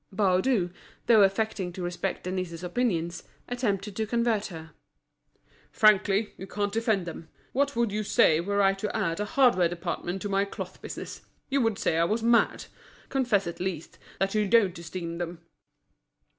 Baudu, though affecting to respect Denise's opinions, attempted to convert her. "Frankly, you can't defend them. What would you say were I to add a hardware department to my cloth business? You would say I was mad. Confess, at least, that you don't esteem them."